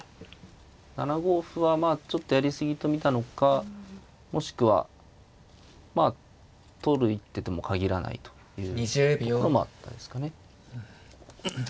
７五歩はまあちょっとやり過ぎと見たのかもしくはまあ取る一手とも限らないというとかもあったですかね。